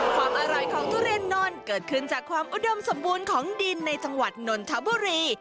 ความอร่อยของทุเรียนนนเกิดขึ้นจากความอุดมสมบูรณ์ของดินในจังหวัดนนทบุรี